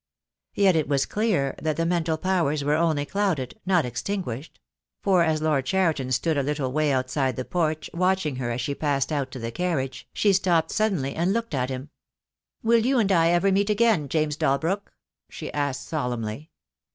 Yet it was clear that the mental powers were only clouded, not extinguished; for, as Lord Cheriton stood a little way outside the porch watching her as she passed out to the carriage, she stopped suddenly and looked at him. "Will you and I ever meet again, James Dalbrook?" she asked solemnly.